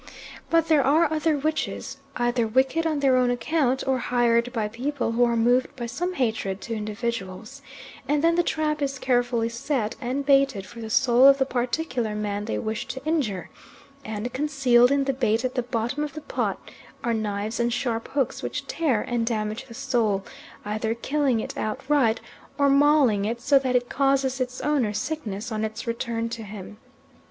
But there are other witches, either wicked on their own account, or hired by people who are moved by some hatred to individuals, and then the trap is carefully set and baited for the soul of the particular man they wish to injure, and concealed in the bait at the bottom of the pot are knives and sharp hooks which tear and damage the soul, either killing it outright, or mauling it so that it causes its owner sickness on its return to him.